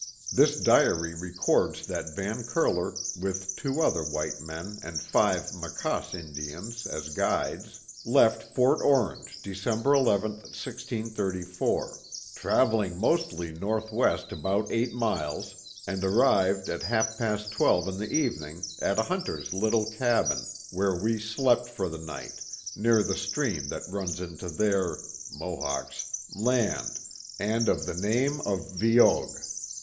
]. This diary records that Van Curler, with two other white men and five Maquaase Indians, as guides, left Fort Orange December 11, 1634, travelling mostly northwest about eight miles, and arrived at half past twelve in the evening, at a hunter's little cabin, where we slept for the night, near the stream that runs into their [Mohawks'] land, and of the name of Vyoge